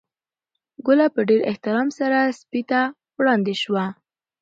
ګوله په ډېر احترام سره سپي ته وړاندې شوه.